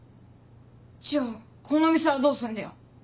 じゃあこの店はどうすんだよ？